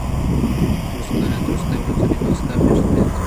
بلوچستان دْرستیں بلوچانی واست ءَ بھشت اِنت۔